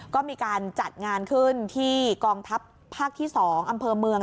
ก็มีการจัดงานขึ้นที่กองทัพภาคที่๒อำเภอเมือง